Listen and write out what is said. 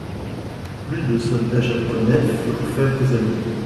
Plus de soldats japonais furent faits prisonniers.